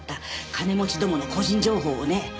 金持ちどもの個人情報をね。